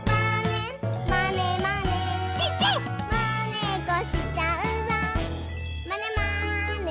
「まねっこしちゃうぞまねまねぽん！」